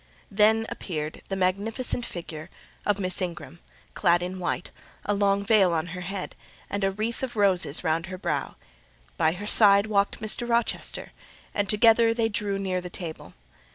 Then appeared the magnificent figure of Miss Ingram, clad in white, a long veil on her head, and a wreath of roses round her brow; by her side walked Mr. Rochester, and together they drew near the table.